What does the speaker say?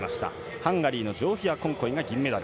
ハンガリーのジョーフィア・コンコイが銀メダル。